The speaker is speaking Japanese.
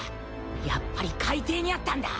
やっぱり海底にあったんだ。